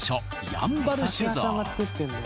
やんばる酒造